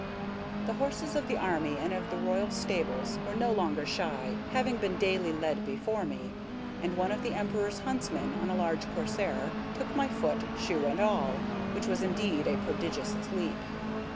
The horses of the army and of the royal stables were no longer shy, having been daily led before me; and one of the Emperor's huntsmen, on a large courser, took my foot, shoe and all, which was indeed a prodigious leap.